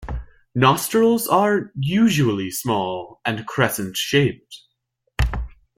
Nostrils are usually small and crescent shaped.